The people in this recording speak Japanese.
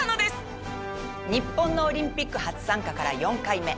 日本のオリンピック初参加から４回目。